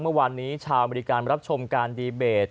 เมื่อวานนี้ชาวอเมริกันรับชมการดีเบต